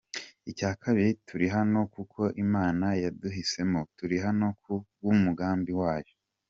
Icya kabiri turi hano kuko Imana yaduhisemo, turi hano ku bw’umugambi wayo.